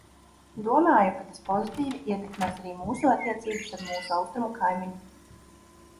Domāju, ka tas pozitīvi ietekmēs arī mūsu attiecības ar mūsu Austrumu kaimiņu.